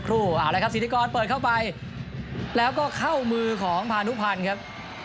สักครู่เอาล่ะครับศิลธิกรเปิดเข้าไปแล้วก็เข้ามือของพาณุพันธ์ครับ